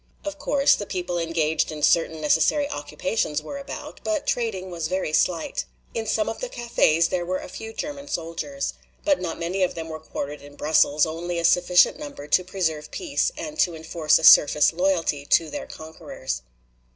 Of course, the people engaged in certain necessary occupations were about, but trading was very slight. In some of the cafés there were a few German soldiers. But not many of them were quartered in Brussels, only a sufficient number to preserve peace and to enforce a surface loyalty to their conquerors.